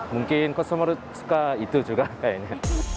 mungkin customer suka itu juga kayaknya